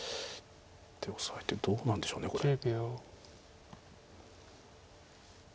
でオサえてどうなんでしょうこれ。